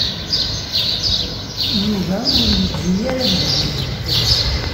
Yuba ur yeǧǧi ara Dahbiya.